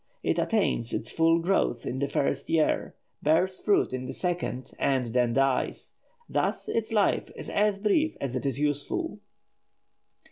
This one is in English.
It attains its full growth in the first year, bears fruit in the second, and then dies; thus its life is as brief as it is useful.